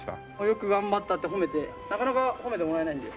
よく頑張ったって褒めてなかなか褒めてもらえないので。